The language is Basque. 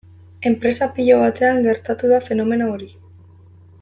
Enpresa pilo batean gertatu da fenomeno hori.